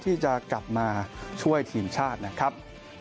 ที่จะกลับมาช่วยทีมชาตินะครับ